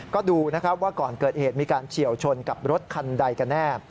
ก็ดูนะครับว่าก่อนเกิดเหตุมีการเฉียวชนกับรถคันใดกันแน่